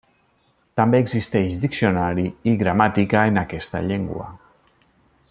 També existeix diccionari i gramàtica en aquesta llengua.